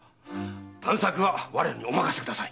探索は我らにお任せください。